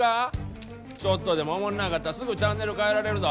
ちょっとでもおもんなかったらすぐチャンネル変えられるど。